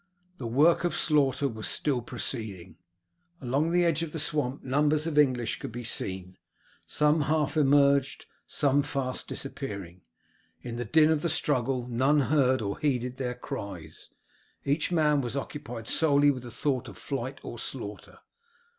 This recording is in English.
The work of slaughter was still proceeding. Along the edge of the swamp numbers of English could be seen, some half immerged, some fast disappearing. In the din of the struggle none heard or heeded their cries, each man was occupied solely with the thought of flight or slaughter.